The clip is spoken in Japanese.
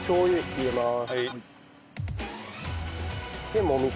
入れまーす。